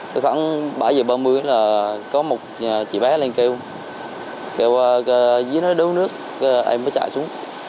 khoảng bảy h ba mươi là có một chị bé lên kêu kêu dưới nó đấu nước em mới chạy xuống